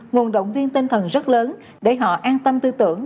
nguồn động viên tinh thần rất lớn để họ an tâm tư tưởng